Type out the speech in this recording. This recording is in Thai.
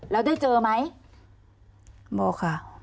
แล้วได้เจอไหมบอกค่ะ